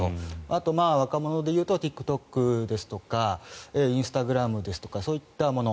あと、若者でいうとＴｉｋＴｏｋですとかインスタグラムですとかそういったもの。